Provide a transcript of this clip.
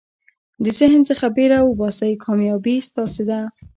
د ذهن څخه بېره وباسئ، کامیابي ستاسي ده.